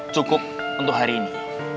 cukup untuk hari ini